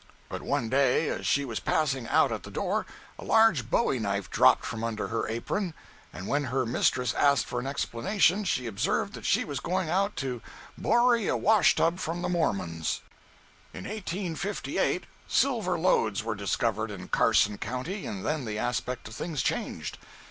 But one day as she was passing out at the door, a large bowie knife dropped from under her apron, and when her mistress asked for an explanation she observed that she was going out to "borry a wash tub from the Mormons!" 186.jpg (88K) In 1858 silver lodes were discovered in "Carson County," and then the aspect of things changed.